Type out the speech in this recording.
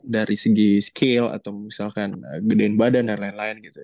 dari segi scale atau misalkan gedein badan dan lain lain gitu